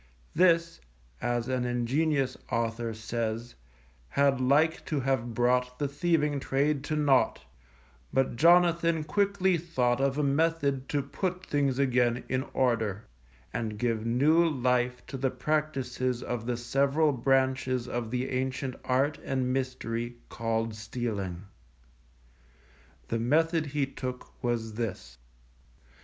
This (as an ingenious author says) had like to have brought the thieving trade to naught; but Jonathan quickly thought of a method to put things again in order, and give new life to the practices of the several branches of the ancient art and mystery called stealing. The method he took was this.